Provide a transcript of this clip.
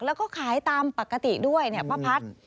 แล้วก็ขายตามปกติด้วยเนี่ยป้าพัฒน์